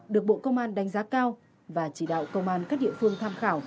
được bộ công an đánh giá cao và chỉ đạo công an các địa phương tham khảo